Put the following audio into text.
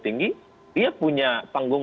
tinggi dia punya panggung